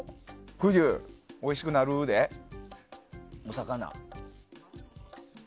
冬、おいしくなるで、お魚。